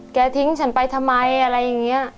ทิ้งฉันไปทำไมอะไรอย่างนี้